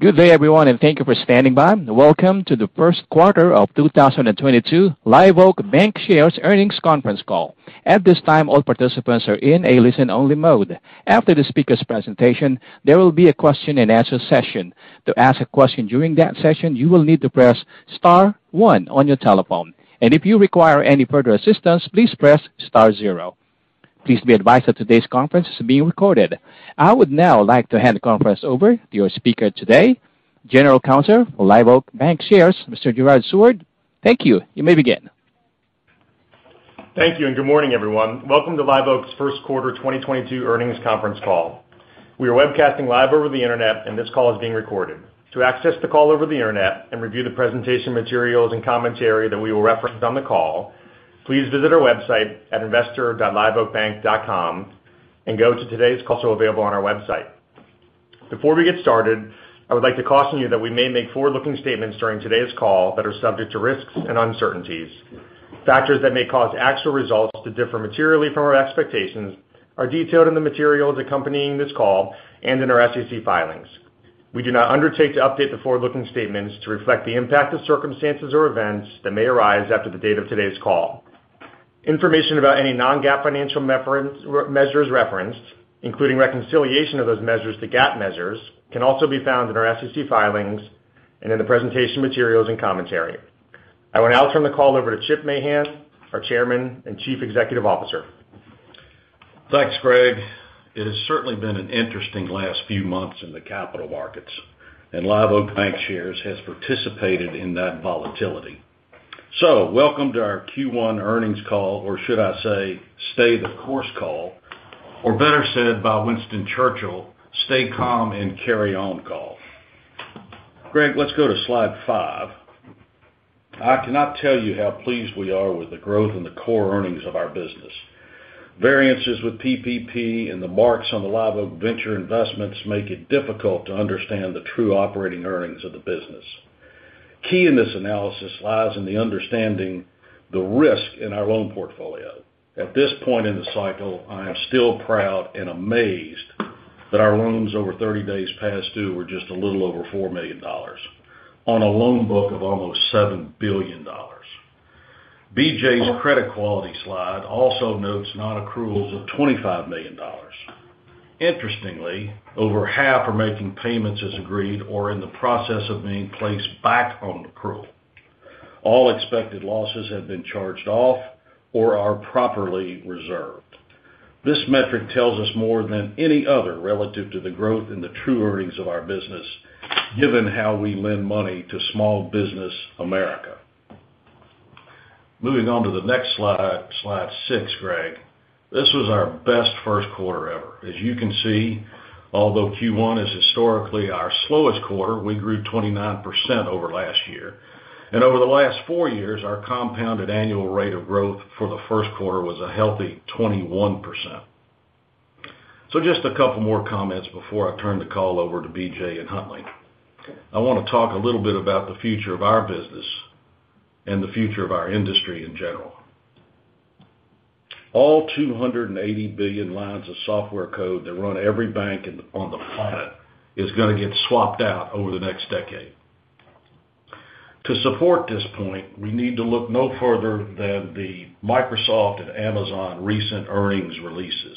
Good day, everyone, and thank you for standing by. Welcome to the Q1 of 2022 Live Oak Bancshares Earnings Conference Call. At this time, all participants are in a listen-only mode. After the speaker's presentation, there will be a question and answer session. To ask a question during that session, you will need to press star one on your telephone. If you require any further assistance, please press star zero. Please be advised that today's conference is being recorded. I would now like to hand the conference over to your speaker today, General Counsel for Live Oak Bancshares, Mr. Greg Seward. Thank you. You may begin. Thank you, and good morning, everyone. Welcome to Live Oak's Q1 2022 earnings conference call. We are webcasting live over the internet, and this call is being recorded. To access the call over the internet and review the presentation materials and commentary that we will reference on the call, please visit our website at investor.liveoakbank.com and go to today's call, also available on our website. Before we get started, I would like to caution you that we may make forward-looking statements during today's call that are subject to risks and uncertainties. Factors that may cause actual results to differ materially from our expectations are detailed in the materials accompanying this call and in our SEC filings. We do not undertake to update the forward-looking statements to reflect the impact of circumstances or events that may arise after the date of today's call. Information about any non-GAAP financial reference measures referenced, including reconciliation of those measures to GAAP measures, can also be found in our SEC filings and in the presentation materials and commentary. I will now turn the call over to Chip Mahan, our Chairman and Chief Executive Officer. Thanks, Greg. It has certainly been an interesting last few months in the capital markets, and Live Oak Bancshares has participated in that volatility. Welcome to our Q1 earnings call, or should I say, stay the course call, or better said by Winston Churchill, "Stay calm and carry on call." Greg, let's go to slide five. I cannot tell you how pleased we are with the growth in the core earnings of our business. Variances with PPP and the marks on the Live Oak Ventures investments make it difficult to understand the true operating earnings of the business. Key in this analysis lies in the understanding the risk in our loan portfolio. At this point in the cycle, I am still proud and amazed that our loans over 30 days past due were just a little over $4 million on a loan book of almost $7 billion. BJ's credit quality slide also notes non-accruals of $25 million. Interestingly, over half are making payments as agreed or in the process of being placed back on accrual. All expected losses have been charged off or are properly reserved. This metric tells us more than any other relative to the growth in the true earnings of our business, given how we lend money to small business America. Moving on to the next slide 6, Greg. This was our best Q1 ever. As you can see, although Q1 is historically our slowest quarter, we grew 29% over last year. Over the last four years, our compounded annual rate of growth for the Q1 was a healthy 21%. Just a couple more comments before I turn the call over to BJ and Huntley. I wanna talk a little bit about the future of our business and the future of our industry in general. All 280 billion lines of software code that run every bank on the planet is gonna get swapped out over the next decade. To support this point, we need to look no further than the Microsoft and Amazon recent earnings releases.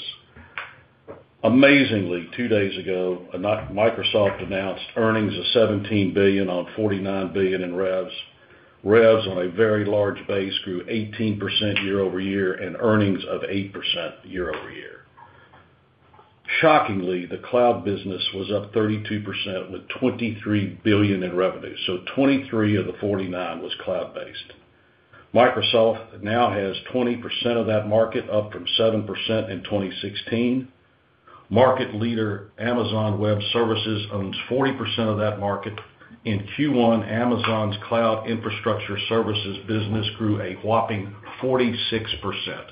Amazingly, two days ago, Microsoft announced earnings of $17 billion on $49 billion in revs. Revs on a very large base grew 18% year-over-year and earnings of 8% year-over-year. Shockingly, the cloud business was up 32% with $23 billion in revenue, so $23 billion of the $49 billion was cloud-based. Microsoft now has 20% of that market, up from 7% in 2016. Market leader Amazon Web Services owns 40% of that market. In Q1, Amazon's cloud infrastructure services business grew a whopping 46%.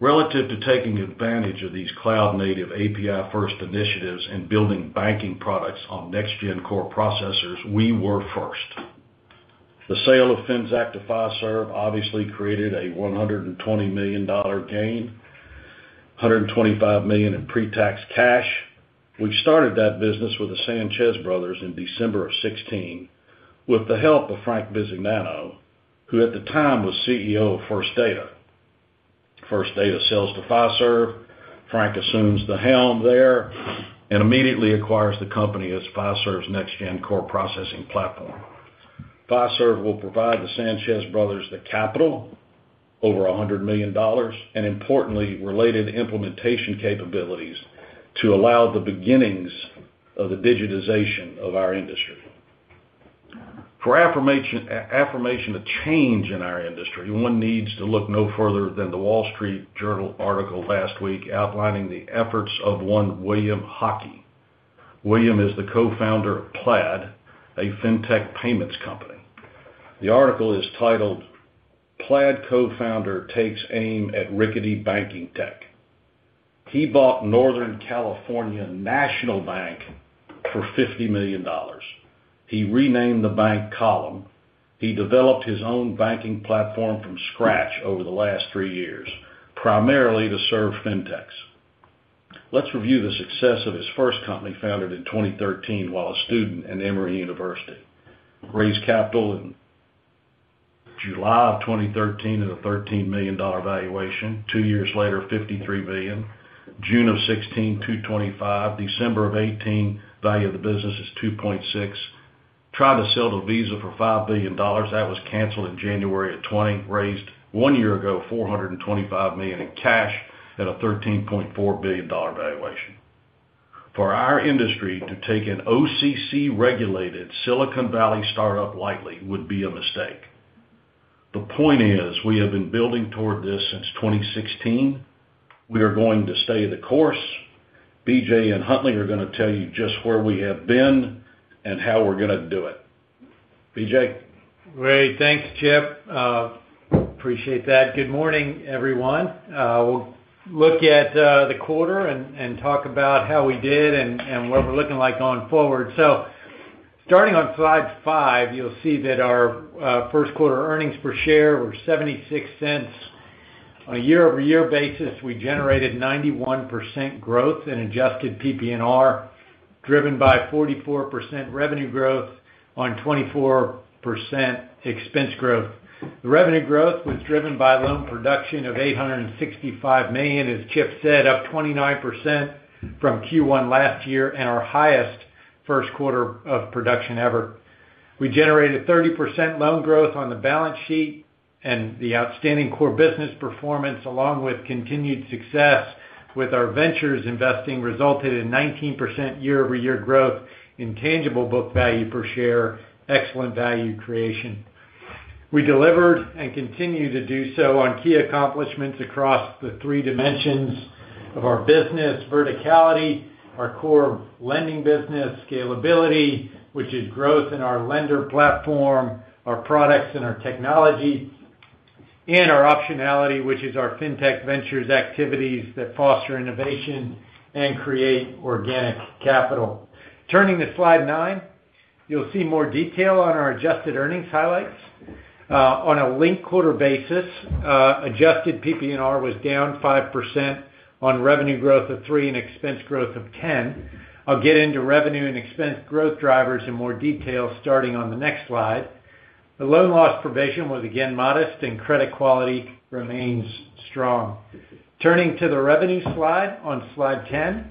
Relative to taking advantage of these cloud-native API first initiatives and building banking products on next gen core processors, we were first. The sale of Finxact to Fiserv obviously created a $120 million gain, $125 million in pre-tax cash. We started that business with the Sanchez brothers in December 2016 with the help of Frank Bisignano, who at the time was CEO of First Data. First Data sells to Fiserv, Frank assumes the helm there, and immediately acquires the company as Fiserv's next gen core processing platform. Fiserv will provide the Sanchez brothers the capital, over $100 million, and importantly, related implementation capabilities to allow the beginnings of the digitization of our industry. For affirmation of a change in our industry, one needs to look no further than the Wall Street Journal article last week outlining the efforts of one William Hockey. William is the co-founder of Plaid, a fintech payments company. The article is titled Plaid Co-founder Takes Aim at Rickety Banking Tech. He bought Northern California National Bank for $50 million. He renamed the bank Column. He developed his own banking platform from scratch over the last three years, primarily to serve fintechs. Let's review the success of his first company, founded in 2013 while a student at Emory University. Raised capital in July of 2013 at a $13 million valuation. Two years later, $53 million. June of 2016, $225 million. December of 2018, value of the business is $2.6 billion. Tried to sell to Visa for $5 billion. That was canceled in January of 2020. Raised, one year ago, $425 million in cash at a $13.4 billion valuation. For our industry to take an OCC-regulated Silicon Valley startup lightly would be a mistake. The point is we have been building toward this since 2016. We are going to stay the course. BJ and Huntley are going to tell you just where we have been and how we're gonna do it. BJ? Great. Thanks, Chip. Appreciate that. Good morning, everyone. We'll look at the quarter and talk about how we did and what we're looking like going forward. Starting on slide five, you'll see that our Q1 earnings per share were $0.76. On a year-over-year basis, we generated 91% growth in adjusted PPNR, driven by 44% revenue growth on 24% expense growth. The revenue growth was driven by loan production of $865 million, as Chip said, up 29% from Q1 last year and our highest Q1 of production ever. We generated 30% loan growth on the balance sheet and the outstanding core business performance, along with continued success with our ventures investing resulted in 19% year-over-year growth in tangible book value per share. Excellent value creation. We delivered and continue to do so on key accomplishments across the three dimensions of our business, verticality, our core lending business, scalability, which is growth in our lender platform, our products, and our technology, and our optionality, which is our Fintech ventures activities that foster innovation and create organic capital. Turning to slide nine, you'll see more detail on our adjusted earnings highlights. On a linked-quarter basis, adjusted PPNR was down 5% on revenue growth of 3% and expense growth of 10%. I'll get into revenue and expense growth drivers in more detail starting on the next slide. The loan loss provision was again modest and credit quality remains strong. Turning to the revenue slide on slide 10,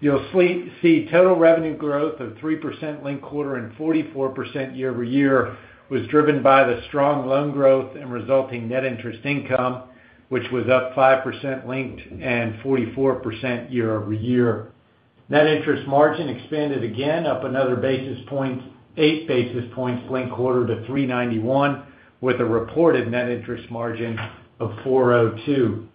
you'll see total revenue growth of 3% linked-quarter and 44% year-over-year was driven by the strong loan growth and resulting net interest income, which was up 5% linked-quarter and 44% year-over-year. Net interest margin expanded again, up another eight basis points linked-quarter to 3.91% with a reported net interest margin of 4.02%.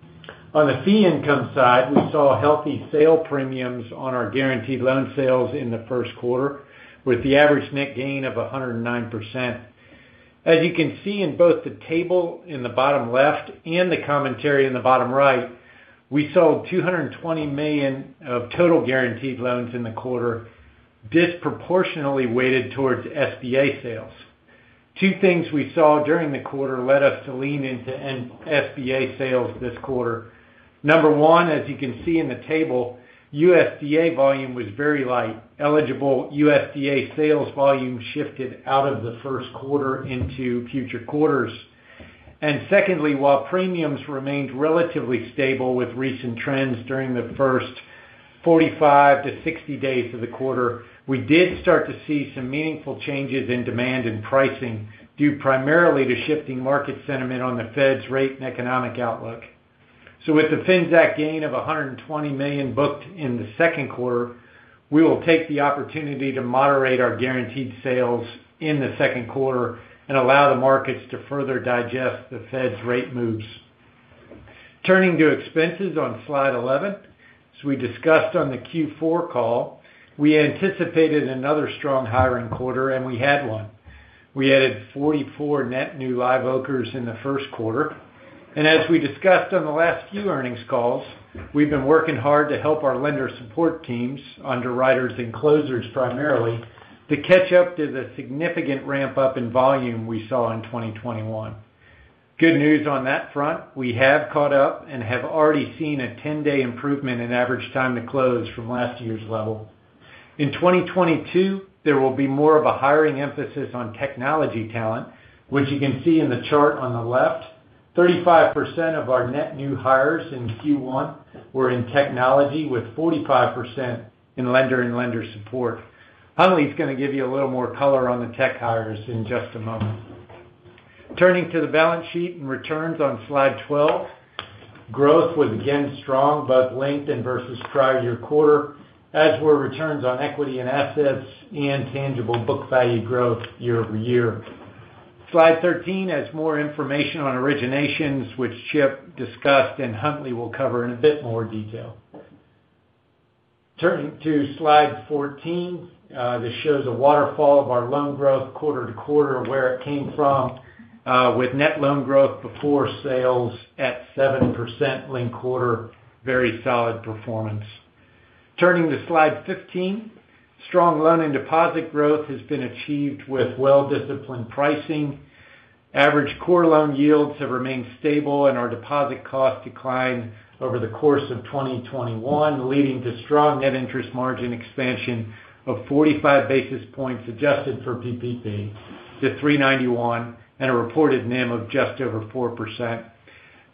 On the fee income side, we saw healthy sale premiums on our guaranteed loan sales in the Q1, with the average net gain of 109%. As you can see in both the table in the bottom left and the commentary in the bottom right, we sold $220 million of total guaranteed loans in the quarter, disproportionately weighted towards SBA sales. Two things we saw during the quarter led us to lean into SBA sales this quarter. Number one, as you can see in the table, USDA volume was very light. Eligible USDA sales volume shifted out of the Q1 into future quarters. Secondly, while premiums remained relatively stable with recent trends during the first 45-60 days of the quarter, we did start to see some meaningful changes in demand and pricing due primarily to shifting market sentiment on the Fed's rate and economic outlook. With the fintech gain of $120 million booked in the second quarter, we will take the opportunity to moderate our guaranteed sales in the Q2 and allow the markets to further digest the Fed's rate moves. Turning to expenses on slide 11. As we discussed on the Q4 call, we anticipated another strong hiring quarter, and we had one. We added 44 net new Live Oakers in the Q1. As we discussed on the last few earnings calls, we've been working hard to help our lender support teams, underwriters and closers primarily, to catch up to the significant ramp-up in volume we saw in 2021. Good news on that front, we have caught up and have already seen a 10-day improvement in average time to close from last year's level. In 2022, there will be more of a hiring emphasis on technology talent, which you can see in the chart on the left. 35% of our net new hires in Q1 were in technology, with 45% in lender and lender support. Huntley's going to give you a little more color on the tech hires in just a moment. Turning to the balance sheet and returns on slide 12. Growth was again strong, both linked and versus prior year quarter, as were returns on equity and assets and tangible book value growth year over year. Slide 13 has more information on originations, which Chip discussed and Huntley will cover in a bit more detail. Turning to slide 14, this shows a waterfall of our loan growth quarter-quarter, where it came from, with net loan growth before sales at 7% linked quarter, very solid performance. Turning to slide 15, strong loan and deposit growth has been achieved with well-disciplined pricing. Average core loan yields have remained stable and our deposit costs declined over the course of 2021, leading to strong net interest margin expansion of 45 basis points adjusted for PPP to 3.91 and a reported NIM of just over 4%.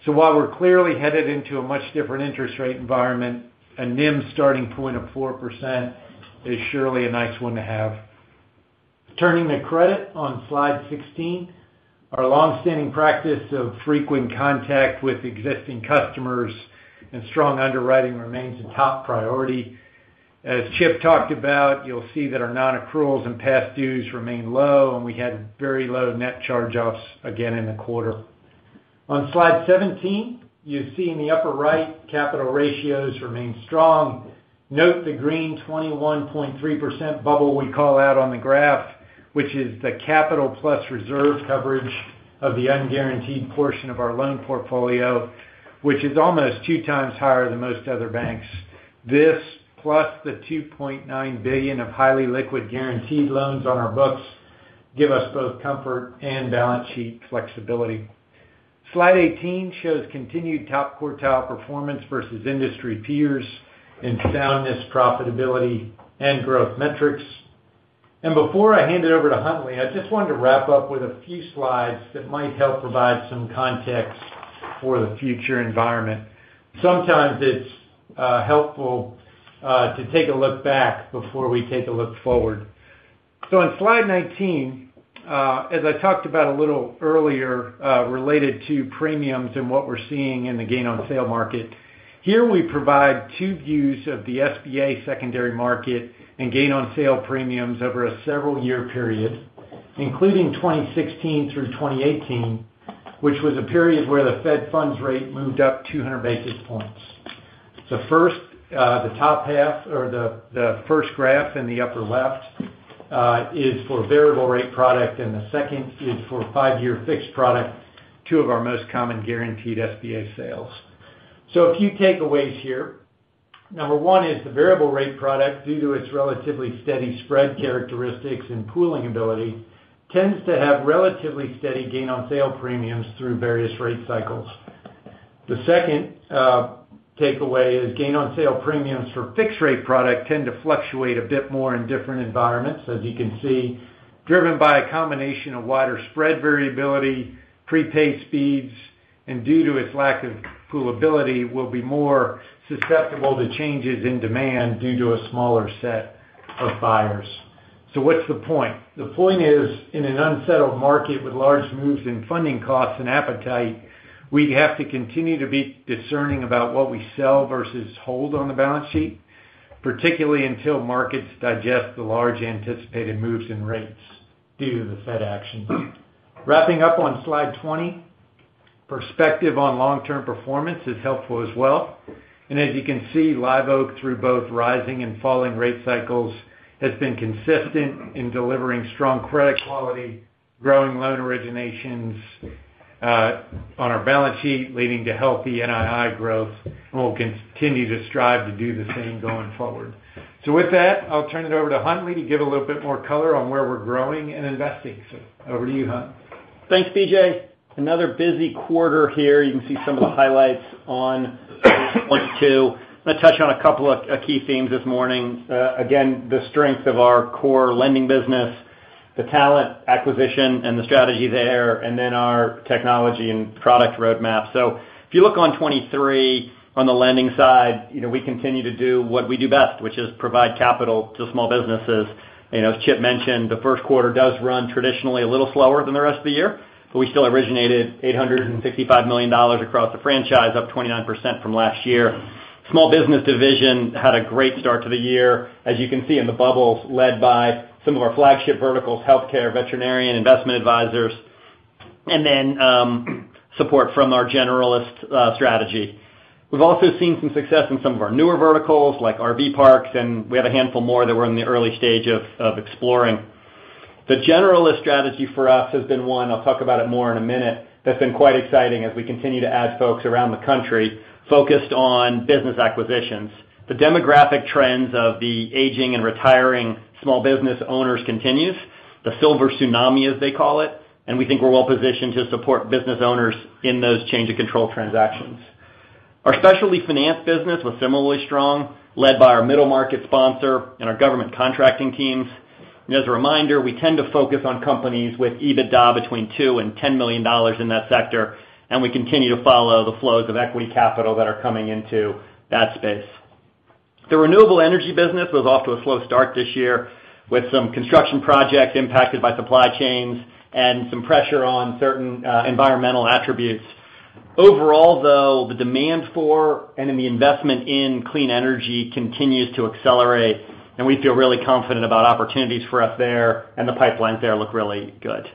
While we're clearly headed into a much different interest rate environment, a NIM starting point of 4% is surely a nice one to have. Turning to credit on slide 16, our long-standing practice of frequent contact with existing customers and strong underwriting remains a top priority. As Chip talked about, you'll see that our non-accruals and past dues remain low, and we had very low net charge-offs again in the quarter. On slide 17, you see in the upper right capital ratios remain strong. Note the green 21.3% bubble we call out on the graph, which is the capital plus reserve coverage of the unguaranteed portion of our loan portfolio, which is almost two times higher than most other banks. This plus the $2.9 billion of highly liquid guaranteed loans on our books give us both comfort and balance sheet flexibility. Slide 18 shows continued top quartile performance versus industry peers in soundness, profitability, and growth metrics. Before I hand it over to Huntley, I just wanted to wrap up with a few slides that might help provide some context for the future environment. Sometimes it's helpful to take a look back before we take a look forward. On slide 19, as I talked about a little earlier, related to premiums and what we're seeing in the gain on sale market, here we provide two views of the SBA secondary market and gain on sale premiums over a several year period, including 2016 through 2018, which was a period where the federal funds rate moved up 200 basis points. The first, the top half or the first graph in the upper left, is for variable rate product and the second is for five-year fixed product, two of our most common guaranteed SBA sales. A few takeaways here. Number one is the variable rate product, due to its relatively steady spread characteristics and pooling ability, tends to have relatively steady gain on sale premiums through various rate cycles. The second takeaway is gain on sale premiums for fixed rate product tend to fluctuate a bit more in different environments, as you can see, driven by a combination of wider spread variability, prepay speeds, and due to its lack of poolability, will be more susceptible to changes in demand due to a smaller set of buyers. What's the point? The point is, in an unsettled market with large moves in funding costs and appetite, we have to continue to be discerning about what we sell versus hold on the balance sheet, particularly until markets digest the large anticipated moves in rates due to the Fed action. Wrapping up on slide 20, perspective on long-term performance is helpful as well. As you can see, Live Oak through both rising and falling rate cycles has been consistent in delivering strong credit quality, growing loan originations, on our balance sheet leading to healthy NII growth, and we'll continue to strive to do the same going forward. With that, I'll turn it over to Huntley to give a little bit more color on where we're growing and investing. Over to you, Hunt. Thanks, BJ. Another busy quarter here. You can see some of the highlights on slide 22. I'm gonna touch on a couple of key themes this morning. Again, the strength of our core lending business, the talent acquisition and the strategy there, and then our technology and product roadmap. If you look on 23 on the lending side, you know, we continue to do what we do best, which is provide capital to small businesses. You know, as Chip mentioned, the Q1 does run traditionally a little slower than the rest of the year, but we still originated $855 million across the franchise, up 29% from last year. Small business division had a great start to the year, as you can see in the bubbles led by some of our flagship verticals, healthcare, veterinarian, investment advisors, and then support from our generalist strategy. We've also seen some success in some of our newer verticals like RV parks, and we have a handful more that we're in the early stage of exploring. The generalist strategy for us has been one, I'll talk about it more in a minute, that's been quite exciting as we continue to add folks around the country focused on business acquisitions. The demographic trends of the aging and retiring small business owners continues, the silver tsunami, as they call it, and we think we're well positioned to support business owners in those change of control transactions. Our specialty finance business was similarly strong, led by our middle market sponsor and our government contracting teams. As a reminder, we tend to focus on companies with EBITDA between $2 million and $10 million in that sector, and we continue to follow the flows of equity capital that are coming into that space. The renewable energy business was off to a slow start this year with some construction projects impacted by supply chains and some pressure on certain environmental attributes. Overall, though, the demand for and in the investment in clean energy continues to accelerate, and we feel really confident about opportunities for us there, and the pipelines there look really good.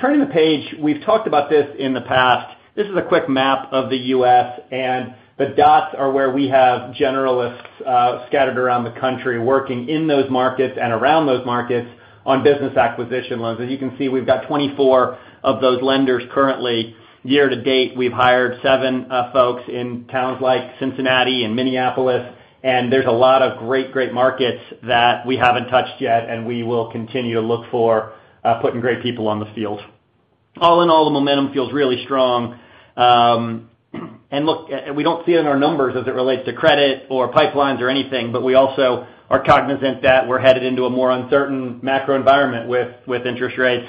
Turning the page, we've talked about this in the past. This is a quick map of the U.S., and the dots are where we have generalists scattered around the country working in those markets and around those markets on business acquisition loans. As you can see, we've got 24 of those lenders currently. Year to date, we've hired 7 folks in towns like Cincinnati and Minneapolis, and there's a lot of great markets that we haven't touched yet, and we will continue to look for putting great people on the field. All in all, the momentum feels really strong. We don't see it in our numbers as it relates to credit or pipelines or anything, but we also are cognizant that we're headed into a more uncertain macro environment with interest rates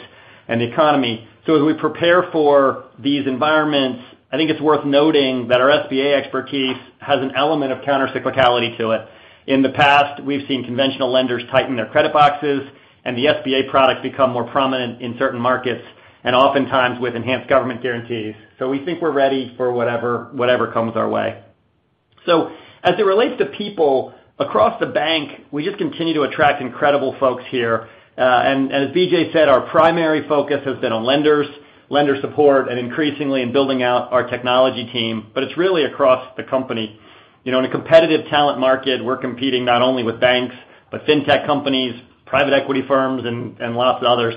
and the economy. As we prepare for these environments, I think it's worth noting that our SBA expertise has an element of counter-cyclicality to it. In the past, we've seen conventional lenders tighten their credit boxes, and the SBA products become more prominent in certain markets, and oftentimes with enhanced government guarantees. We think we're ready for whatever comes our way. As it relates to people, across the bank, we just continue to attract incredible folks here. As BJ said, our primary focus has been on lenders, lender support, and increasingly in building out our technology team, but it's really across the company. You know, in a competitive talent market, we're competing not only with banks, but fintech companies, private equity firms, and lots of others.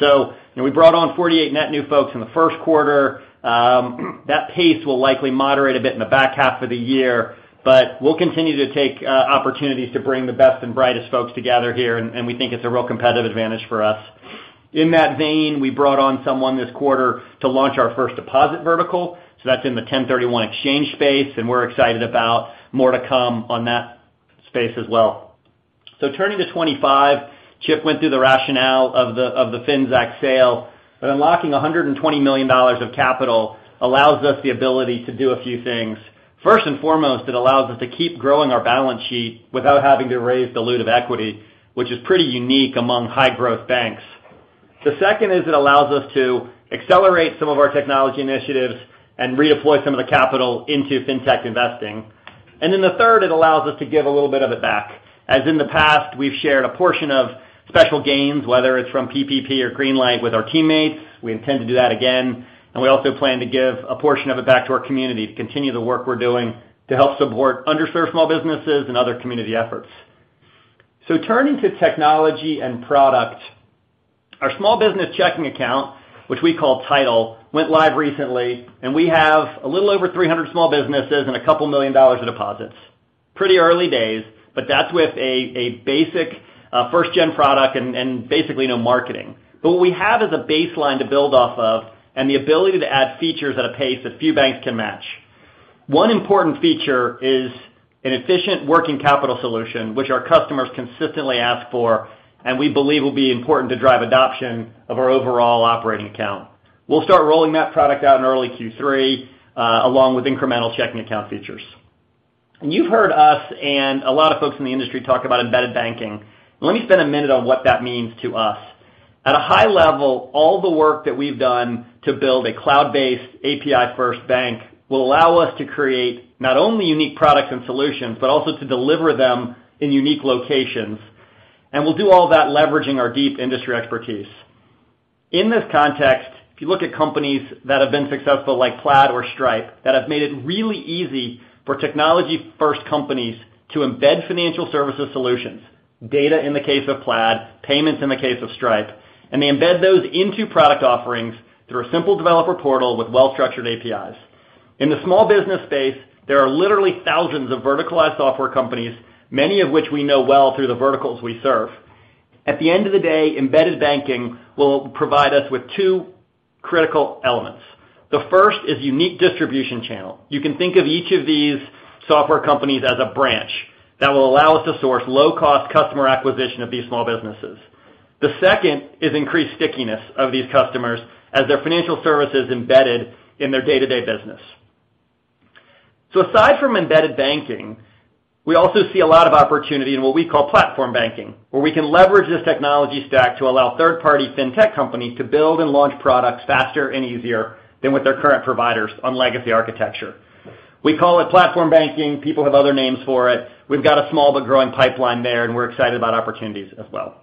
You know, we brought on 48 net new folks in the Q1. That pace will likely moderate a bit in the back half of the year, but we'll continue to take opportunities to bring the best and brightest folks together here, and we think it's a real competitive advantage for us. In that vein, we brought on someone this quarter to launch our first deposit vertical, so that's in the 1031 exchange space, and we're excited about more to come on that space as well. Turning to 2025, Chip went through the rationale of the Finxact sale, but unlocking $120 million of capital allows us the ability to do a few things. First and foremost, it allows us to keep growing our balance sheet without having to raise dilutive equity, which is pretty unique among high-growth banks. The second is it allows us to accelerate some of our technology initiatives and reemploy some of the capital into fintech investing. The third, it allows us to give a little bit of it back. As in the past, we've shared a portion of special gains, whether it's from PPP or Greenlight with our teammates. We intend to do that again, and we also plan to give a portion of it back to our community to continue the work we're doing to help support underserved small businesses and other community efforts. Turning to technology and product, our small business checking account, which we call Tidal, went live recently, and we have a little over 300 small businesses and a couple million dollars of deposits. Pretty early days, but that's with a basic first-gen product and basically no marketing. What we have is a baseline to build off of and the ability to add features at a pace that few banks can match. One important feature is an efficient working capital solution, which our customers consistently ask for, and we believe will be important to drive adoption of our overall operating account. We'll start rolling that product out in early Q3, along with incremental checking account features. You've heard us and a lot of folks in the industry talk about embedded banking. Let me spend a minute on what that means to us. At a high level, all the work that we've done to build a cloud-based API-first bank will allow us to create not only unique products and solutions, but also to deliver them in unique locations. We'll do all that leveraging our deep industry expertise. In this context, if you look at companies that have been successful like Plaid or Stripe, that have made it really easy for technology-first companies to embed financial services solutions, data in the case of Plaid, payments in the case of Stripe, and they embed those into product offerings through a simple developer portal with well-structured APIs. In the small business space, there are literally thousands of verticalized software companies, many of which we know well through the verticals we serve. At the end of the day, embedded banking will provide us with two critical elements. The first is unique distribution channel. You can think of each of these software companies as a branch that will allow us to source low-cost customer acquisition of these small businesses. The second is increased stickiness of these customers as their financial service is embedded in their day-to-day business. Aside from embedded banking, we also see a lot of opportunity in what we call platform banking, where we can leverage this technology stack to allow third-party fintech companies to build and launch products faster and easier than with their current providers on legacy architecture. We call it platform banking. People have other names for it. We've got a small but growing pipeline there, and we're excited about opportunities as well.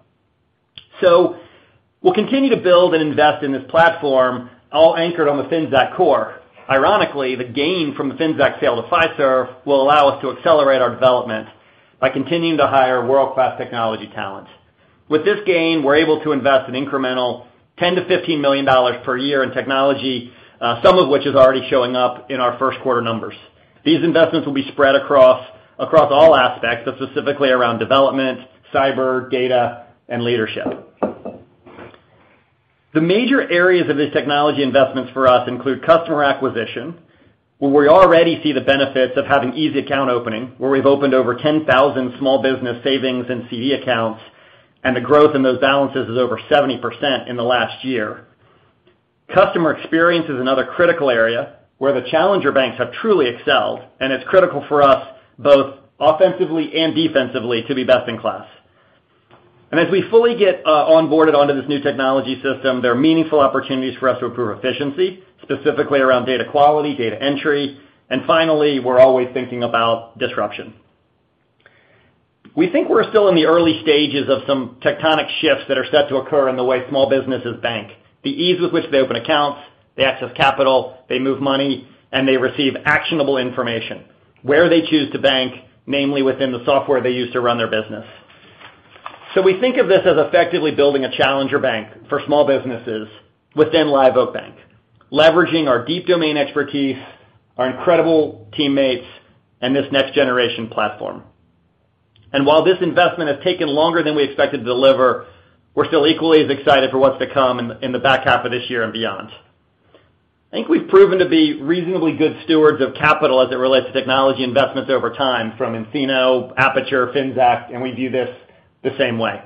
We'll continue to build and invest in this platform all anchored on the Finxact core. Ironically, the gain from the Finxact sale to Fiserv will allow us to accelerate our development by continuing to hire world-class technology talent. With this gain, we're able to invest an incremental $10-$15 million per year in technology, some of which is already showing up in our Q1 numbers. These investments will be spread across all aspects, but specifically around development, cyber, data, and leadership. The major areas of these technology investments for us include customer acquisition, where we already see the benefits of having easy account opening, where we've opened over 10,000 small business savings and CD accounts, and the growth in those balances is over 70% in the last year. Customer experience is another critical area where the challenger banks have truly excelled, and it's critical for us both offensively and defensively to be best in class. As we fully get onboarded onto this new technology system, there are meaningful opportunities for us to improve efficiency, specifically around data quality, data entry, and finally, we're always thinking about disruption. We think we're still in the early stages of some tectonic shifts that are set to occur in the way small businesses bank, the ease with which they open accounts, they access capital, they move money, and they receive actionable information where they choose to bank, namely within the software they use to run their business. We think of this as effectively building a challenger bank for small businesses within Live Oak Bank, leveraging our deep domain expertise, our incredible teammates, and this next generation platform. While this investment has taken longer than we expected to deliver, we're still equally as excited for what's to come in the back half of this year and beyond. I think we've proven to be reasonably good stewards of capital as it relates to technology investments over time from nCino, Apiture, Finxact, and we view this the same way.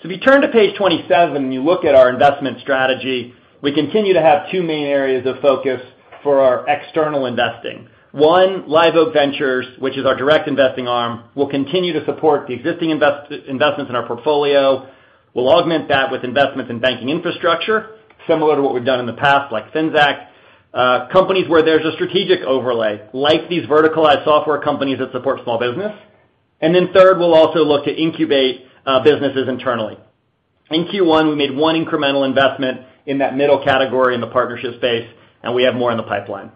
If you turn to page 27 and you look at our investment strategy, we continue to have 2 main areas of focus for our external investing. 1, Live Oak Ventures, which is our direct investing arm, will continue to support the existing investments in our portfolio. We'll augment that with investments in banking infrastructure similar to what we've done in the past, like Finxact. Companies where there's a strategic overlay, like these verticalized software companies that support small business. And then third, we'll also look to incubate businesses internally. In Q1, we made 1 incremental investment in that middle category in the partnership space, and we have more in the pipeline.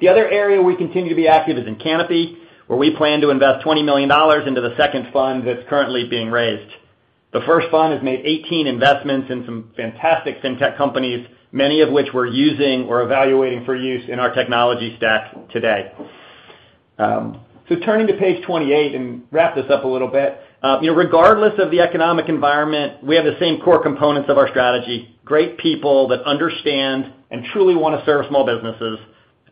The other area we continue to be active is in Canapi, where we plan to invest $20 million into the second fund that's currently being raised. The first fund has made 18 investments in some fantastic fintech companies, many of which we're using or evaluating for use in our technology stack today. Turning to page 28 and wrap this up a little bit. You know, regardless of the economic environment, we have the same core components of our strategy, great people that understand and truly wanna serve small businesses,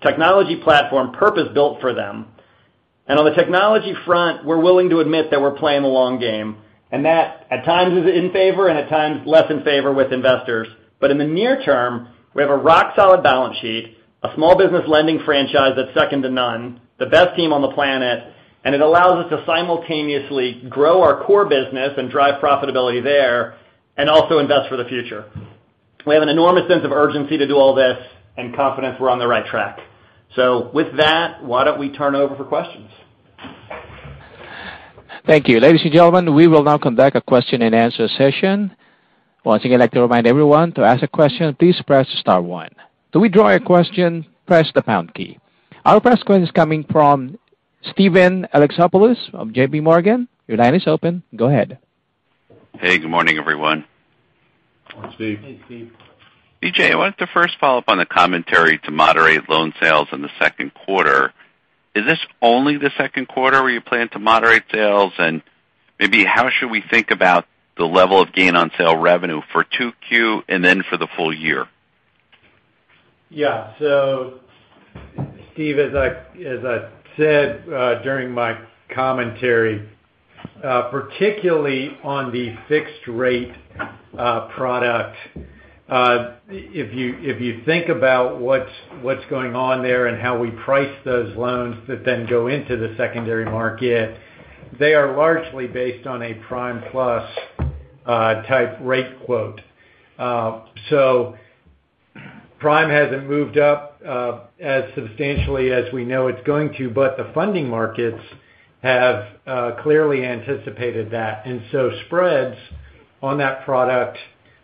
technology platform purpose-built for them. On the technology front, we're willing to admit that we're playing the long game, and that at times is in favor and at times less in favor with investors. In the near term, we have a rock solid balance sheet, a small business lending franchise that's second to none, the best team on the planet, and it allows us to simultaneously grow our core business and drive profitability there and also invest for the future. We have an enormous sense of urgency to do all this and confidence we're on the right track. With that, why don't we turn over for questions? Thank you. Ladies and gentlemen, we will now conduct a question-and-answer session. Once again, I'd like to remind everyone to ask a question, please press star one. To withdraw your question, press the pound key. Our first question is coming from Steven Alexopoulos of JPMorgan. Your line is open. Go ahead. Hey, good morning, everyone. Morning, Steve. Hey, Steve. BJ, I wanted to first follow up on the commentary to moderate loan sales in the Q2. Is this only the Q2 where you plan to moderate sales? Maybe how should we think about the level of gain on sale revenue for 2Q and then for the full year? Yeah. Steve, as I said, during my commentary, particularly on the fixed rate product, if you think about what's going on there and how we price those loans that then go into the secondary market, they are largely based on a prime plus type rate quote. Prime hasn't moved up as substantially as we know it's going to, but the funding markets have clearly anticipated that. Spreads on that product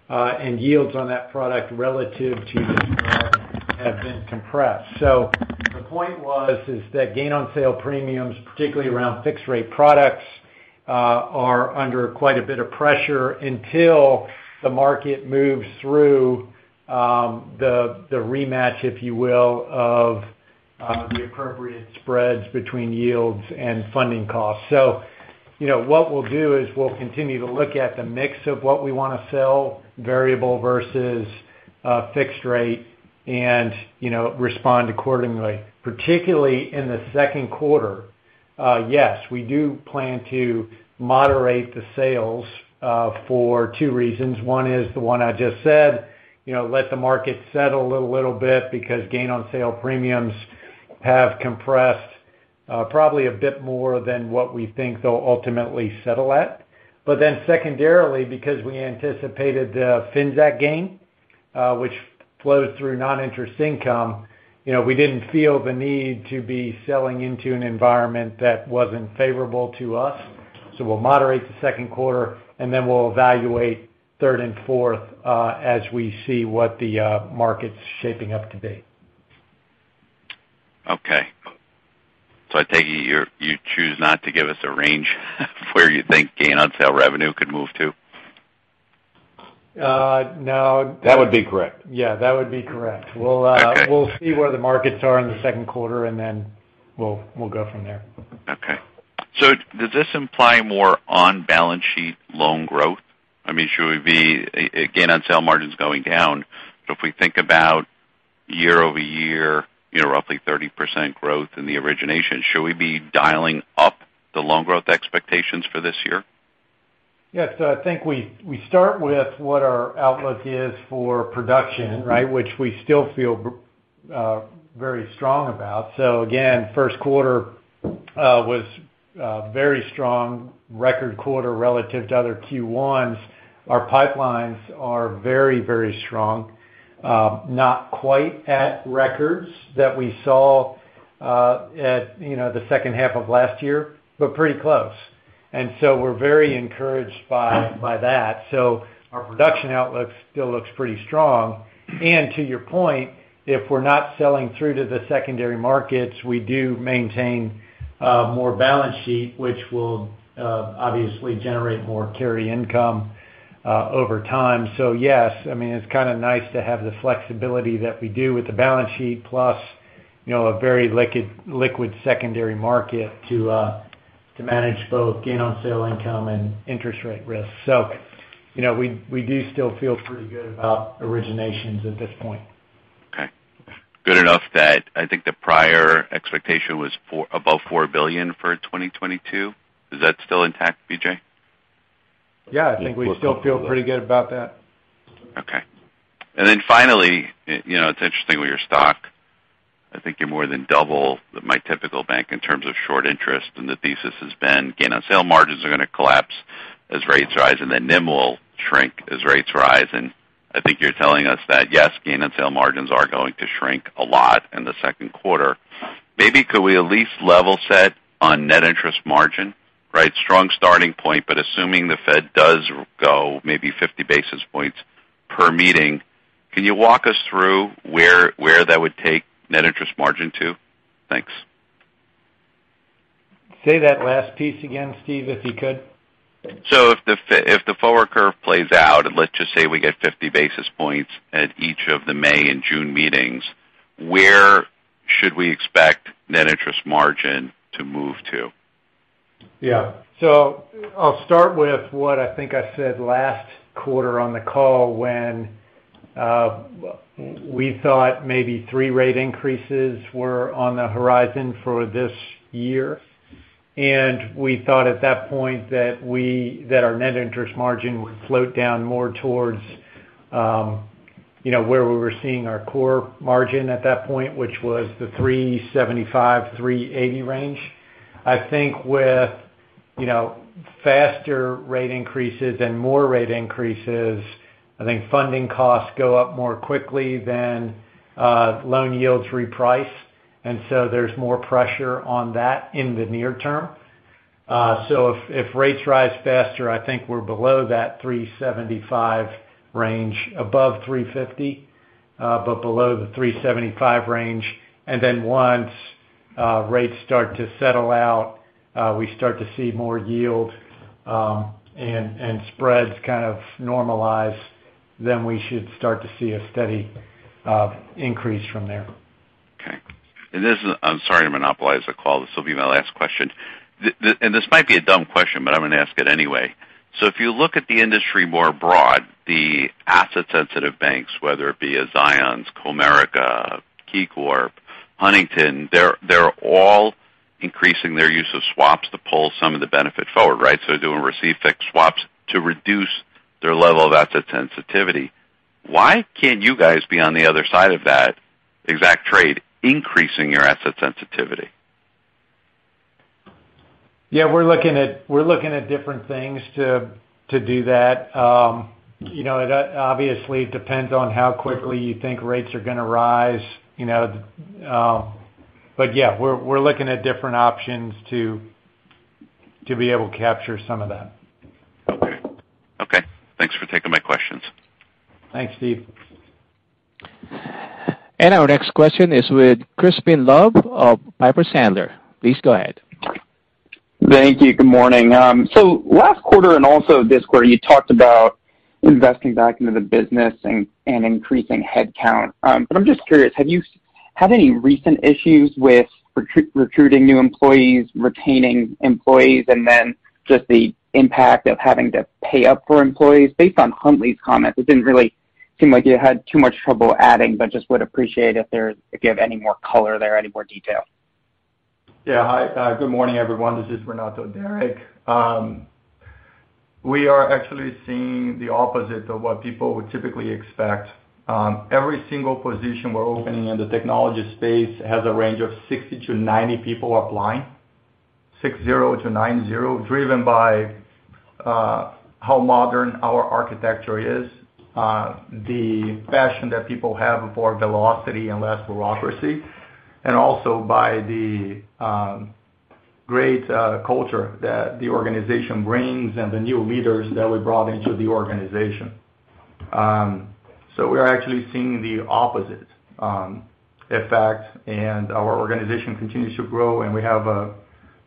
and yields on that product relative to this have been compressed. The point was is that gain on sale premiums, particularly around fixed rate products, are under quite a bit of pressure until the market moves through the rematch, if you will, of the appropriate spreads between yields and funding costs. You know, what we'll do is we'll continue to look at the mix of what we wanna sell, variable versus fixed rate and, you know, respond accordingly. Particularly in the Q2, yes, we do plan to moderate the sales for two reasons. One is the one I just said, you know, let the market settle a little bit because gain on sale premiums have compressed, probably a bit more than what we think they'll ultimately settle at. But then secondarily, because we anticipated the Finxact gain, which flows through noninterest income, you know, we didn't feel the need to be selling into an environment that wasn't favorable to us. We'll moderate the Q2, and then we'll evaluate third and fourth as we see what the market's shaping up to be. Okay. I take it you choose not to give us a range for where you think gain on sale revenue could move to? No. That would be correct. Yeah, that would be correct. Okay. We'll see where the markets are in the Q2, and then we'll go from there. Okay. Does this imply more on balance sheet loan growth? I mean, should we be again, on sale margins going down. If we think about year-over-year, you know, roughly 30% growth in the origination, should we be dialing up the loan growth expectations for this year? Yeah. I think we start with what our outlook is for production, right? Which we still feel very strong about. Again, Q1 was a very strong record quarter relative to other Q1s. Our pipelines are very, very strong. Not quite at records that we saw at you know, the second half of last year, but pretty close. We're very encouraged by that. Our production outlook still looks pretty strong. To your point, if we're not selling through to the secondary markets, we do maintain more balance sheet, which will obviously generate more carry income over time. Yes, I mean, it's kinda nice to have the flexibility that we do with the balance sheet plus, you know, a very liquid secondary market to manage both gain on sale income and interest rate risk. You know, we do still feel pretty good about originations at this point. Okay. Good enough that I think the prior expectation was above $4 billion for 2022. Is that still intact, BJ? Yeah, I think we still feel pretty good about that. Okay. Finally, you know, it's interesting with your stock. I think you're more than double my typical bank in terms of short interest, and the thesis has been gain on sale margins are gonna collapse as rates rise, and then NIM will shrink as rates rise. I think you're telling us that, yes, gain on sale margins are going to shrink a lot in the Q2. Maybe could we at least level set on net interest margin, right? Strong starting point, but assuming the Fed does go maybe 50 basis points per meeting, can you walk us through where that would take net interest margin to? Thanks. Say that last piece again, Steve, if you could. If the forward curve plays out, and let's just say we get 50 basis points at each of the May and June meetings, where should we expect net interest margin to move to? Yeah. I'll start with what I think I said last quarter on the call when we thought maybe three rate increases were on the horizon for this year. We thought at that point that our net interest margin would float down more towards where we were seeing our core margin at that point, which was the 3.75%-3.80% range. I think with faster rate increases and more rate increases, I think funding costs go up more quickly than loan yields reprice, and so there's more pressure on that in the near term. If rates rise faster, I think we're below that 3.75% range, above 3.50%, but below the 3.75% range. Once rates start to settle out, we start to see more yield, and spreads kind of normalize, then we should start to see a steady increase from there. Okay. I'm sorry to monopolize the call. This will be my last question. This might be a dumb question, but I'm gonna ask it anyway. If you look at the industry more broadly, the asset-sensitive banks, whether it be a Zions, Comerica, KeyCorp, Huntington, they're all increasing their use of swaps to pull some of the benefit forward, right? Doing receive fixed swaps to reduce their level of asset sensitivity. Why can't you guys be on the other side of that exact trade, increasing your asset sensitivity? Yeah, we're looking at different things to do that. You know, it obviously depends on how quickly you think rates are gonna rise, you know, but yeah, we're looking at different options to be able to capture some of that. Okay. Thanks for taking my questions. Thanks, Steve. Our next question is with Crispin Love of Piper Sandler. Please go ahead. Thank you. Good morning. Last quarter and also this quarter, you talked about investing back into the business and increasing headcount. I'm just curious, have you had any recent issues with recruiting new employees, retaining employees, and then just the impact of having to pay up for employees? Based on Huntley's comments, it didn't really seem like you had too much trouble adding, but just would appreciate if you have any more color there, any more detail. Hi. Good morning, everyone. This is Renato Derraik. We are actually seeing the opposite of what people would typically expect. Every single position we're opening in the technology space has a range of 60-90 people applying, driven by how modern our architecture is, the passion that people have for velocity and less bureaucracy, and also by the great culture that the organization brings and the new leaders that we brought into the organization. We're actually seeing the opposite effect, and our organization continues to grow, and we have a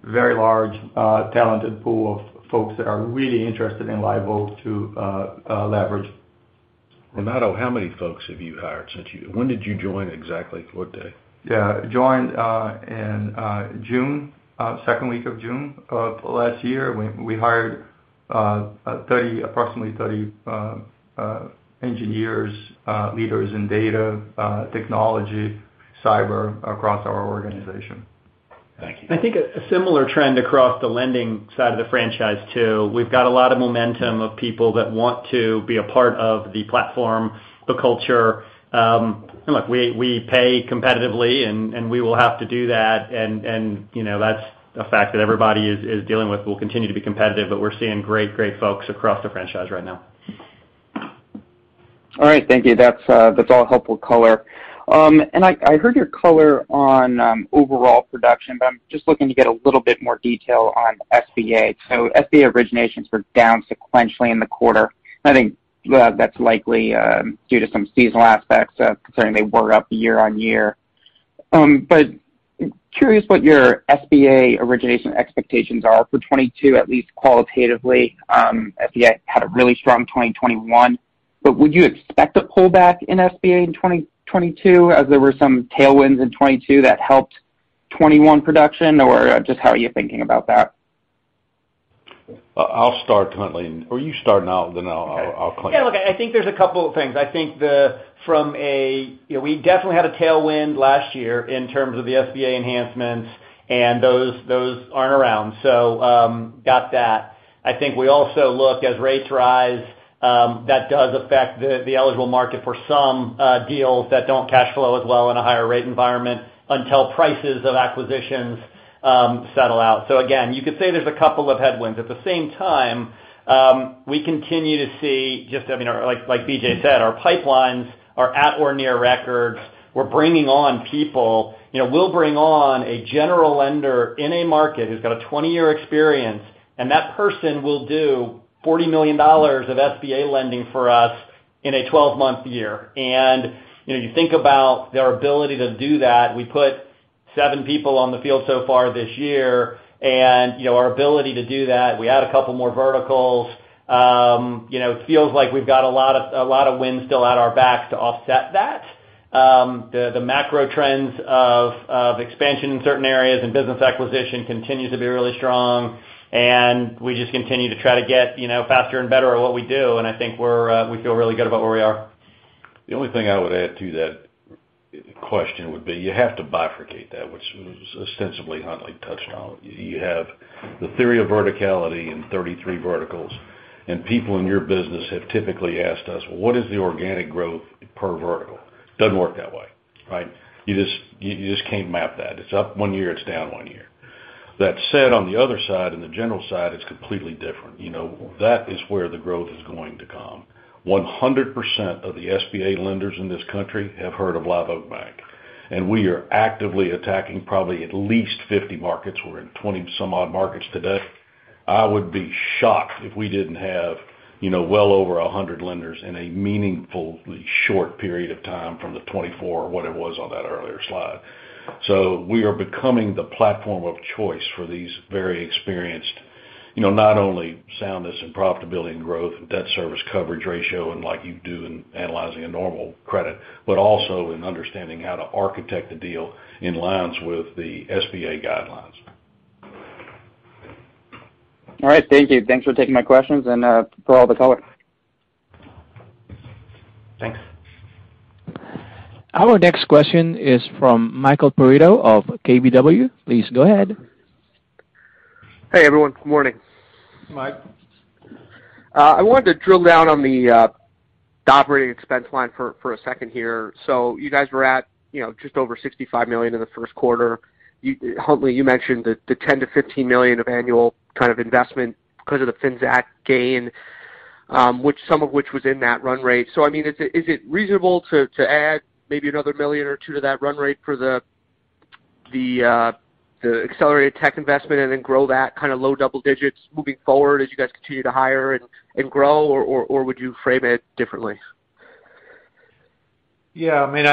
very large talented pool of folks that are really interested and liable to leverage. Renato, how many folks have you hired since you? When did you join exactly? What day? Yeah. Joined in June, second week of June of last year. We hired approximately 30 engineers, leaders in data, technology, cyber across our organization. Thank you. I think a similar trend across the lending side of the franchise too. We've got a lot of momentum of people that want to be a part of the platform, the culture. Look, we pay competitively and we will have to do that and, you know, that's a fact that everybody is dealing with. We'll continue to be competitive, but we're seeing great folks across the franchise right now. All right. Thank you. That's all helpful color. I heard your color on overall production, but I'm just looking to get a little bit more detail on SBA. SBA originations were down sequentially in the quarter. I think that's likely due to some seasonal aspects, considering they were up year-over-year. Curious what your SBA origination expectations are for 2022, at least qualitatively. SBA had a really strong 2021. Would you expect a pullback in SBA in 2022 as there were some tailwinds in 2022 that helped 2021 production, or just how are you thinking about that? I'll start, Huntley, or you start, and then I'll. Yeah. Look, I think there's a couple of things. You know, we definitely had a tailwind last year in terms of the SBA enhancements, and those aren't around. So, got that. I think we also look as rates rise, that does affect the eligible market for some deals that don't cash flow as well in a higher rate environment until prices of acquisitions settle out. So again, you could say there's a couple of headwinds. At the same time, we continue to see just, I mean, like BJ said, our pipelines are at or near records. We're bringing on people. You know, we'll bring on a general lender in a market who's got a 20-year experience, and that person will do $40 million of SBA lending for us in a 12-month year. You know, you think about their ability to do that, we put 7 people on the field so far this year, and, you know, our ability to do that, we add a couple more verticals. You know, it feels like we've got a lot of wind still at our backs to offset that. The macro trends of expansion in certain areas and business acquisition continues to be really strong, and we just continue to try to get, you know, faster and better at what we do, and I think we feel really good about where we are. The only thing I would add to that question would be you have to bifurcate that, which ostensibly Huntley touched on. You have the theory of verticality in 33 verticals, and people in your business have typically asked us, "Well, what is the organic growth per vertical?" Doesn't work that way, right? You just can't map that. It's up one year, it's down one year. That said, on the other side, in the general side, it's completely different. You know, that is where the growth is going to come. 100% of the SBA lenders in this country have heard of Live Oak Bank, and we are actively attacking probably at least 50 markets. We're in 20 some odd markets today. I would be shocked if we didn't have, you know, well over 100 lenders in a meaningfully short period of time from the 24 or whatever it was on that earlier slide. We are becoming the platform of choice for these very experienced, you know, not only soundness and profitability and growth and debt service coverage ratio and like you do in analyzing a normal credit, but also in understanding how to architect a deal in lines with the SBA guidelines. All right. Thank you. Thanks for taking my questions and, for all the color. Thanks. Our next question is from Michael Perito of KBW. Please go ahead. Hey, everyone. Good morning. Mike. I wanted to drill down on the operating expense line for a second here. You guys were at, you know, just over $65 million in the. Huntley, you mentioned the $10 million-$15 million of annual kind of investment 'cause of the Finxact gain, some of which was in that run rate. I mean, is it reasonable to add maybe another $1 million or $2 million to that run rate for the accelerated tech investment and then grow that kinda low double digits% moving forward as you guys continue to hire and grow, or would you frame it differently? Yeah, I mean,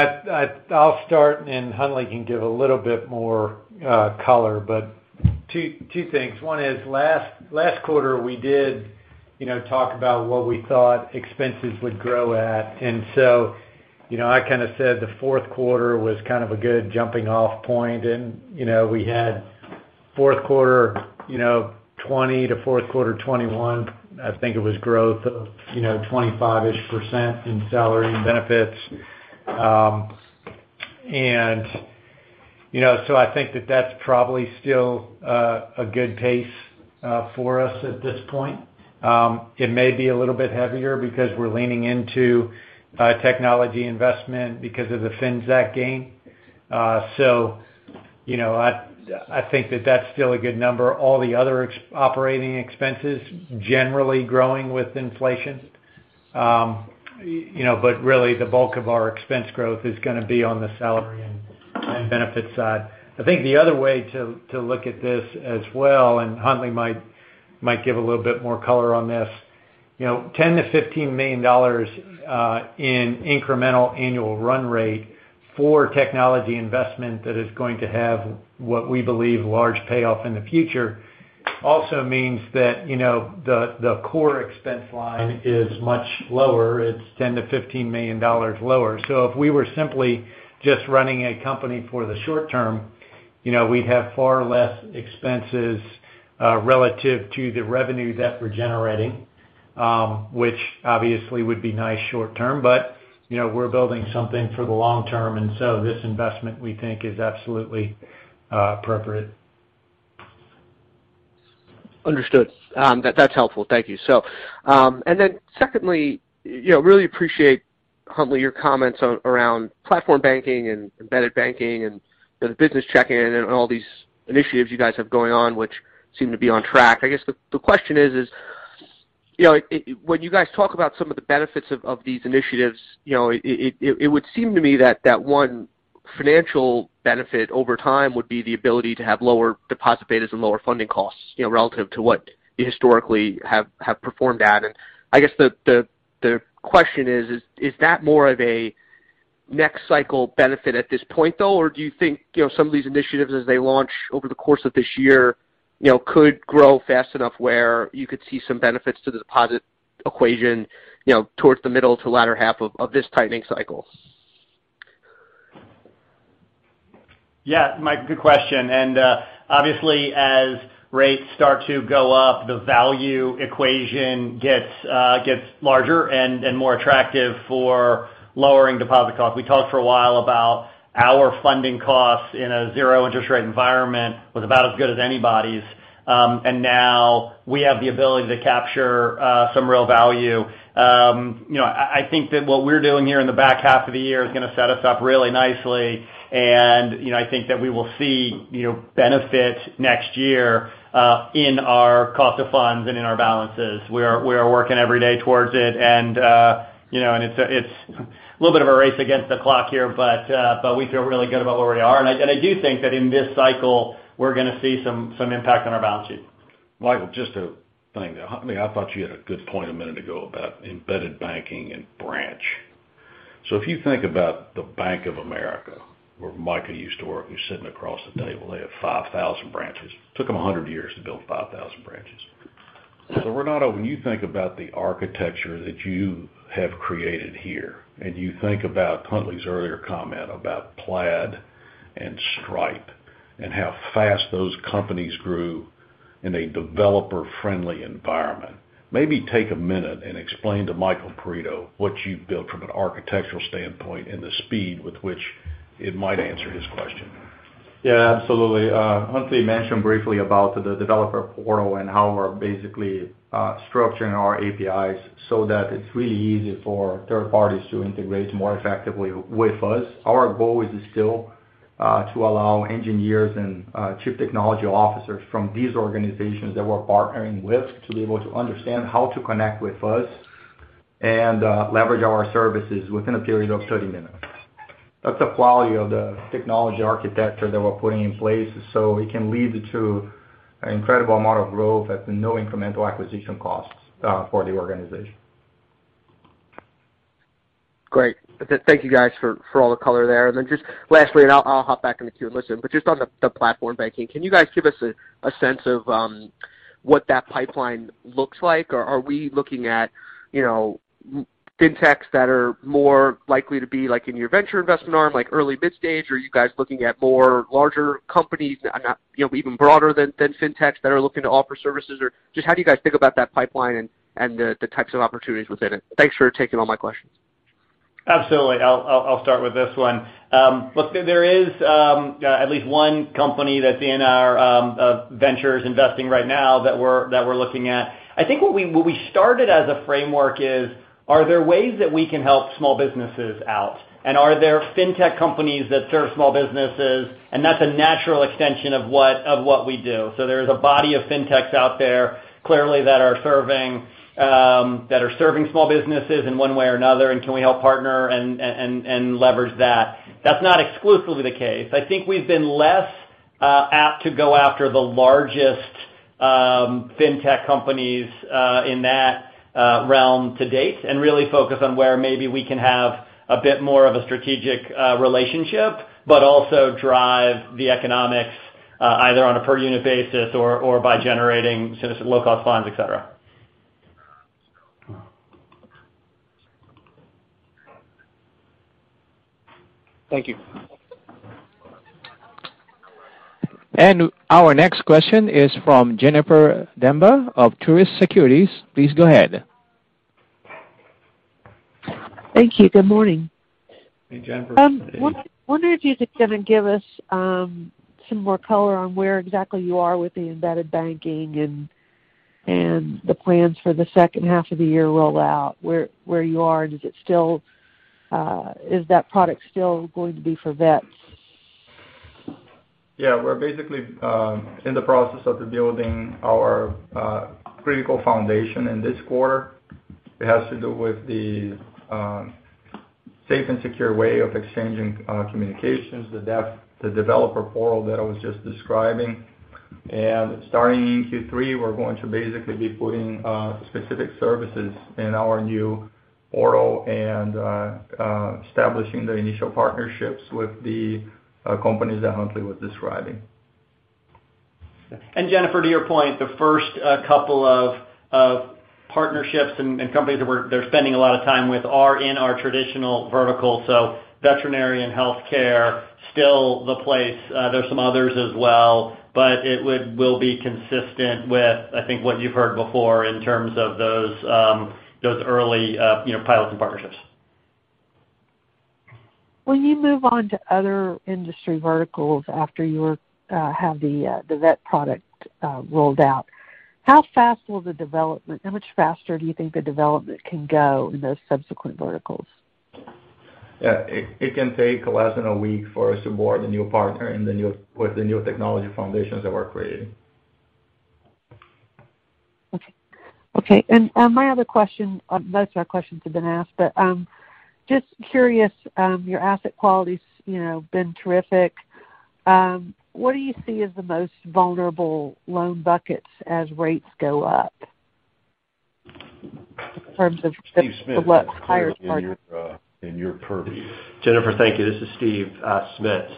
I'll start, and Huntley can give a little bit more color, but two things. One is last quarter, we did talk about what we thought expenses would grow at. You know, I kinda said the Q4 was kind of a good jumping-off point. You know, we had Q4 2020-Q4 2021, I think it was growth of 25-ish% in salary and benefits. You know, so I think that that's probably still a good pace for us at this point. It may be a little bit heavier because we're leaning into technology investment because of the Finxact gain. You know, I think that that's still a good number. All the other operating expenses generally growing with inflation. You know, really the bulk of our expense growth is gonna be on the salary and benefits side. I think the other way to look at this as well, and Huntley might give a little bit more color on this, you know, $10 million-$15 million in incremental annual run rate for technology investment that is going to have what we believe large payoff in the future also means that, you know, the core expense line is much lower. It's $10 million-$15 million lower. If we were simply just running a company for the short term, you know, we'd have far less expenses relative to the revenue that we're generating, which obviously would be nice short term, but, you know, we're building something for the long term, and so this investment, we think, is absolutely appropriate. Understood. That's helpful. Thank you. Secondly, you know, really appreciate, Huntley, your comments around platform banking and embedded banking and the business checking and all these initiatives you guys have going on, which seem to be on track. I guess the question is, you know, when you guys talk about some of the benefits of these initiatives, you know, it would seem to me that one financial benefit over time would be the ability to have lower deposit betas and lower funding costs, you know, relative to what you historically have performed at. I guess the question is that more of a next cycle benefit at this point though? Do you think, you know, some of these initiatives as they launch over the course of this year, you know, could grow fast enough where you could see some benefits to the deposit equation, you know, towards the middle to latter half of this tightening cycle? Yeah. Mike, good question. Obviously as rates start to go up, the value equation gets larger and more attractive for lowering deposit costs. We talked for a while about our funding costs in a zero interest rate environment was about as good as anybody's. Now we have the ability to capture some real value. You know, I think that what we're doing here in the back half of the year is gonna set us up really nicely. You know, I think that we will see benefit next year in our cost of funds and in our balances. We are working every day towards it and you know, and it's a little bit of a race against the clock here, but we feel really good about where we are. I do think that in this cycle, we're gonna see some impact on our balance sheet. Michael, just a thing. I mean, I thought you had a good point a minute ago about embedded banking and branch. If you think about the Bank of America, where Micah used to work, who's sitting across the table, they have 5,000 branches. Took them 100 years to build 5,000 branches. Renato, when you think about the architecture that you have created here, and you think about Huntley's earlier comment about Plaid and Stripe and how fast those companies grew in a developer-friendly environment, maybe take a minute and explain to Michael Perito what you've built from an architectural standpoint and the speed with which it might answer his question. Yeah, absolutely. Huntley mentioned briefly about the developer portal and how we're basically structuring our APIs so that it's really easy for third parties to integrate more effectively with us. Our goal is still to allow engineers and chief technology officers from these organizations that we're partnering with to be able to understand how to connect with us and leverage our services within a period of 30 minutes. That's the quality of the technology architecture that we're putting in place. It can lead to an incredible amount of growth at no incremental acquisition costs for the organization. Great. Thank you guys for all the color there. Just lastly, I'll hop back in the queue and listen. Just on the platform banking, can you guys give us a sense of what that pipeline looks like? Are we looking at, you know, fintechs that are more likely to be like in your venture investment arm, like early mid-stage? Are you guys looking at more larger companies, you know, even broader than fintechs that are looking to offer services? Just how do you guys think about that pipeline and the types of opportunities within it? Thanks for taking all my questions. Absolutely. I'll start with this one. Look, there is at least one company that's in our ventures investing right now that we're looking at. I think what we started as a framework is are there ways that we can help small businesses out? Are there Fintech companies that serve small businesses? That's a natural extension of what we do. There's a body of Fintechs out there, clearly that are serving small businesses in one way or another, and can we help partner and leverage that? That's not exclusively the case. I think we've been less apt to go after the largest Fintech companies in that realm to date and really focus on where maybe we can have a bit more of a strategic relationship, but also drive the economics either on a per unit basis or by generating sort of low-cost funds, et cetera. Thank you. Our next question is from Jennifer Demba of Truist Securities. Please go ahead. Thank you. Good morning. Hey, Jennifer. Wonder if you could kind of give us some more color on where exactly you are with the embedded banking and the plans for the second half of the year rollout, where you are, and is that product still going to be for vets? Yeah, we're basically in the process of building our critical foundation in this quarter. It has to do with the safe and secure way of exchanging communications, the developer portal that I was just describing. Starting in Q3, we're going to basically be putting specific services in our new portal and establishing the initial partnerships with the companies that Huntley was describing. Jennifer, to your point, the first couple of partnerships and companies that they're spending a lot of time with are in our traditional vertical. Veterinary healthcare, still the place. There's some others as well, but it will be consistent with, I think, what you've heard before in terms of those early, you know, pilots and partnerships. When you move on to other industry verticals after you have the vet product rolled out, how much faster do you think the development can go in those subsequent verticals? It can take less than a week for us to onboard a new partner with the new technology foundations that we're creating. My other question, most of my questions have been asked, but just curious, your asset quality's, you know, been terrific. What do you see as the most vulnerable loan buckets as rates go up in terms of the higher targets? Steve Smits, in your purview. Jennifer, thank you. This is Steve Smits.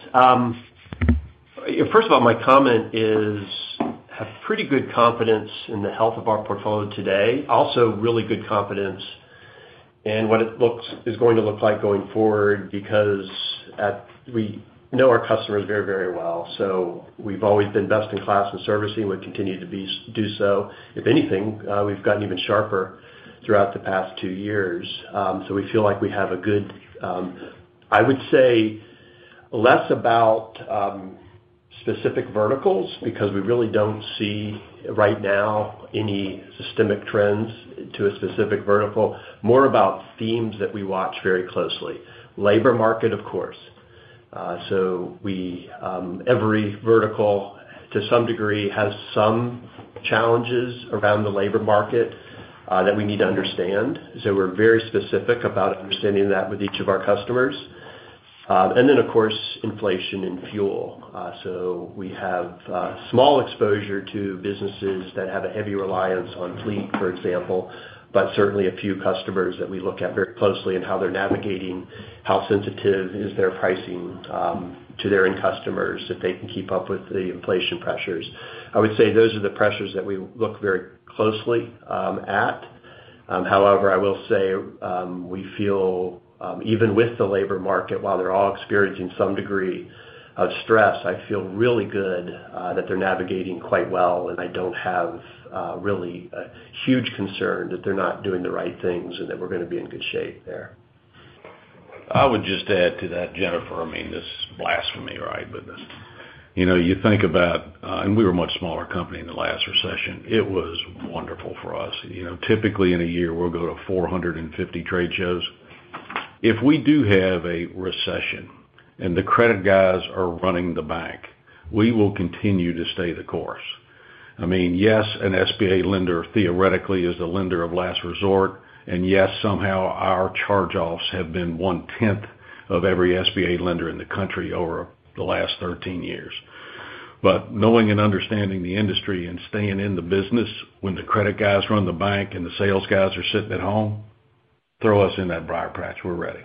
First of all, my comment is I have pretty good confidence in the health of our portfolio today. Also really good confidence in what it is going to look like going forward because we know our customers very, very well. We've always been best in class in servicing. We continue to do so. If anything, we've gotten even sharper throughout the past two years. We feel like we have a good, I would say less about specific verticals because we really don't see right now any systemic trends to a specific vertical. More about themes that we watch very closely. Labor market, of course. Every vertical to some degree has some challenges around the labor market that we need to understand. We're very specific about understanding that with each of our customers. Of course, inflation and fuel. We have small exposure to businesses that have a heavy reliance on fleet, for example, but certainly a few customers that we look at very closely and how they're navigating, how sensitive is their pricing to their end customers, if they can keep up with the inflation pressures. I would say those are the pressures that we look very closely at. However, I will say, we feel even with the labor market, while they're all experiencing some degree of stress, I feel really good that they're navigating quite well, and I don't have really a huge concern that they're not doing the right things and that we're gonna be in good shape there. I would just add to that, Jennifer. I mean, this is blasphemy, right? You know, you think about. We were a much smaller company in the last recession. It was wonderful for us. You know, typically in a year, we'll go to 450 trade shows. If we do have a recession and the credit guys are running the bank, we will continue to stay the course. I mean, yes, an SBA lender theoretically is the lender of last resort. Yes, somehow our charge-offs have been one-tenth of every SBA lender in the country over the last 13 years. Knowing and understanding the industry and staying in the business when the credit guys run the bank and the sales guys are sitting at home, throw us in that briar patch, we're ready.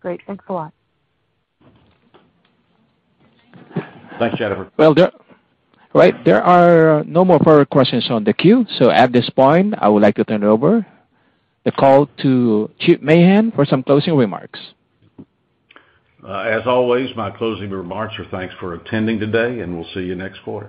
Great. Thanks a lot. Thanks, Jennifer. Well, right. There are no more further questions on the queue. At this point, I would like to turn over the call to Chip Mahan for some closing remarks. As always, my closing remarks are thanks for attending today, and we'll see you next quarter.